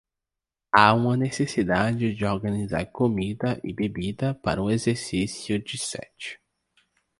Há uma necessidade de organizar comida e bebida para o exercício de sete.